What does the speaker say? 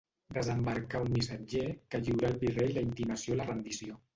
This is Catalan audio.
Desembarcà un missatger que lliurà al virrei la intimació a la rendició.